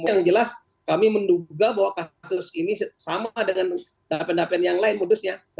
yang jelas kami menduga bahwa kasus ini sama dengan dapen dapen yang lain modusnya